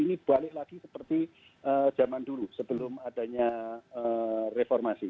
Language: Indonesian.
ini balik lagi seperti zaman dulu sebelum adanya reformasi